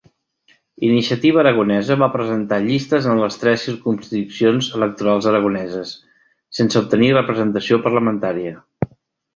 Iniciativa Aragonesa va presentar llistes en les tres circumscripcions electorals aragoneses, sense obtenir representació parlamentària.